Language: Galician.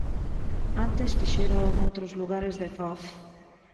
Antes fixérao noutros lugares de Foz.